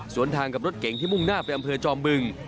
ส่วนทางกับรถเก่งที่มุ่งหน้าไปอำเภอจอมบึง